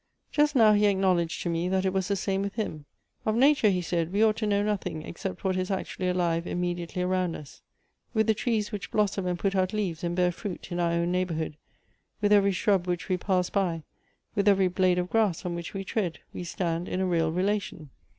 "Just now he acknowledged to me, that it was the same with him. ' Of nature,' he said, ' we ought to know nothing except what is actually alive immediately around us. With the trees which blossom and put out leaves and bear fruit in our own neighborhood, with every shrub which we pass by, with every blade of grass on wliich we tread, we stand in a real relation.